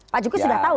pak jokowi sudah tahu